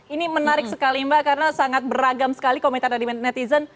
ini menarik sekali mbak karena sangat beragam sekali komentar dari netizen